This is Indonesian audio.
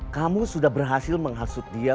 kamu sudah berhasil menghasut dia